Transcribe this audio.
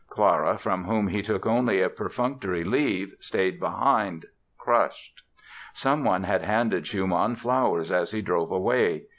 Clara, from whom he took only a perfunctory leave, stayed behind, crushed. Someone had handed Schumann flowers as he drove away.